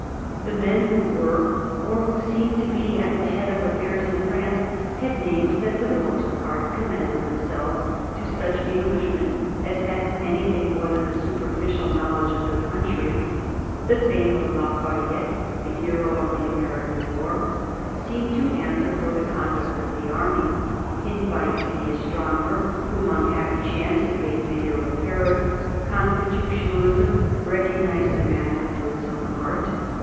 The men who were, or who seemed to be, at the head of affairs in France had names that for the most part commended themselves to such Englishmen as had anything more than a superficial knowledge of the country. The fame of Lafayette, the hero of the American war, seemed to answer for the conduct of the army. In Bailly, the astronomer whom unhappy chance had made Mayor of Paris, constitutionalism recognized a man after its own heart.